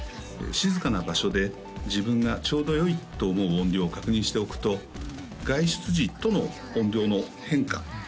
静かな場所で自分がちょうどよいと思う音量を確認しておくと外出時との音量の変化